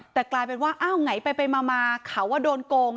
แต่กลายเป็นว่าเมื่อกลายไปว่ามาเขาว่าโดนโกง